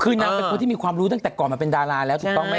คือนางเป็นคนที่มีความรู้ตั้งแต่ก่อนมาเป็นดาราแล้วถูกต้องไหม